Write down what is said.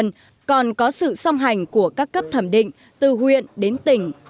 nhân dân có sự song hành của các cấp thẩm định từ huyện đến tỉnh